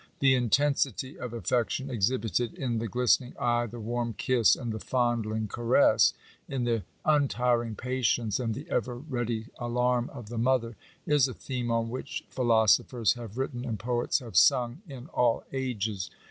The intensity of affec tion exhibited in the glistening eye, the warm kiss, and the fondling caress — in the untiring patience, and the ever ready alarm of the mother, is a theme on which philosophers have written and poets have sung in all ages.